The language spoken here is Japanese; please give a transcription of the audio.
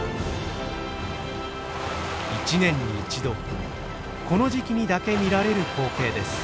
一年に一度この時期にだけ見られる光景です。